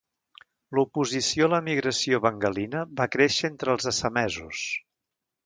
L'oposició a l'emigració bengalina va créixer entre els assamesos.